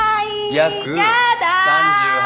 やだ！